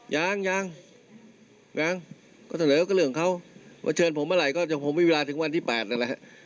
ยังยังนะก็เสนอก็เรื่องเขามาเชิญผมเมื่อไหร่ก็ยังคงมีเวลาถึงวันที่๘นั่นแหละ